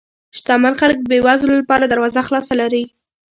شتمن خلک د بې وزلو لپاره دروازه خلاصه لري.